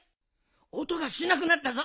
おとがしなくなったぞ。